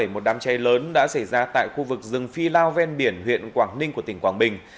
một đám cháy lớn đã xảy ra tại khu vực rừng phi lao ven biển huyện quảng ninh của tỉnh quảng bình